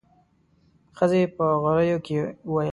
ښځې په غريو کې وويل.